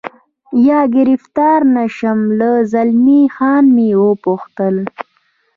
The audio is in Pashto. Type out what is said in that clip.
یا ګرفتار نه شم، له زلمی خان مې و پوښتل.